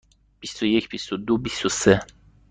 بیست و یک، بیست و دو، بیست و سه.